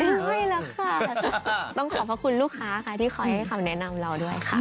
ไม่แล้วค่ะต้องขอบพระคุณลูกค้าค่ะที่คอยให้คำแนะนำเราด้วยค่ะ